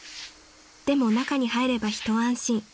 ［でも中に入れば一安心］